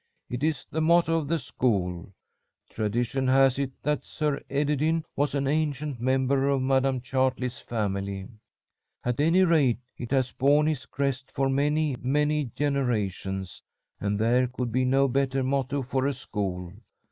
"It is the motto of the school. Tradition has it that Sir Ederyn was an ancient member of Madam Chartley's family. At any rate, it has borne his crest for many, many generations, and there could be no better motto for a school.